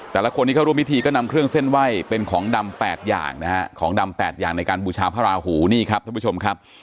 แต่ละคนที่เข้าร่วมพิธีก็นำเครื่องเส้นไหว้เป็นของดำ๘อย่างนะฮะของดำ๘อย่างในการบูชาพระราหูนี่ครับท่านผู้ชมครับ